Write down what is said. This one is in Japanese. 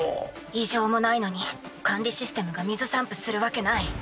異常もないのに管理システムが水散布するわけない。